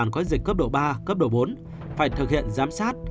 người về tp cần thơ từ địa bàn có dịch cấp độ ba cấp độ bốn phải thực hiện giám sát